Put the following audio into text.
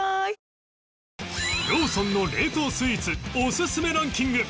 ローソンの冷凍スイーツおすすめランキング